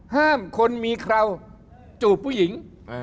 ห้ามคนมีเคราวจูบผู้หญิง